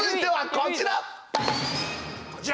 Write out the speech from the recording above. こちら！